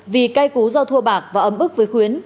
vì cai cú do thua bạc và ấm ức với khuyến